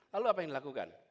lalu apa yang dilakukan